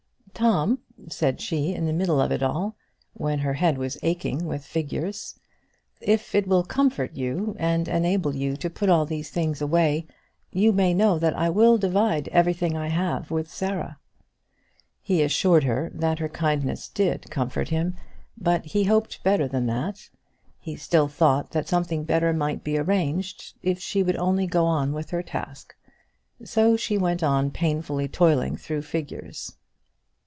"Tom," said she, in the middle of it all, when her head was aching with figures, "if it will comfort you, and enable you to put all these things away, you may know that I will divide everything I have with Sarah." He assured her that her kindness did comfort him; but he hoped better than that; he still thought that something better might be arranged if she would only go on with her task. So she went on painfully toiling through figures.